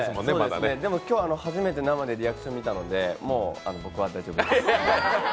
でも今日初めて生でリアクションを見たので僕は大丈夫です。